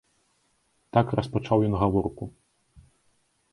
Так распачаў ён гаворку.